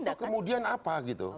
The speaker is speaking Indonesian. lantas itu kemudian apa gitu